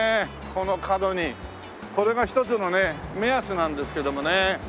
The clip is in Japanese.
これが一つのね目安なんですけどもね。